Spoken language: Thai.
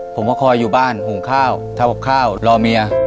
ผมก็คอยอยู่บ้านหุงข้าวทำกับข้าวรอเมีย